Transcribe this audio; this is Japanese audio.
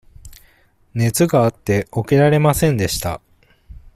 熱があって、起きられませんでした。